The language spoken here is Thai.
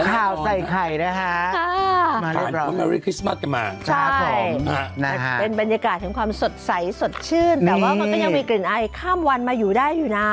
ข้าวใส่ไข่นะฮะมาเรียบร้อยนะครับใช่ครับผมเป็นบรรยากาศของความสดใสสดชื่นแต่ว่ามันก็ยังมีกลิ่นไอข้ามวันมาอยู่ได้อยู่นะ